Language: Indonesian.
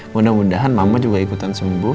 mudah mudahan mama juga ikutan sembuh